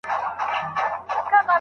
هغه نجلۍ ډېره خوشاله ښکاري.